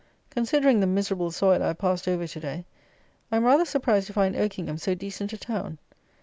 Considering the miserable soil I have passed over to day, I am rather surprised to find Oakingham so decent a town.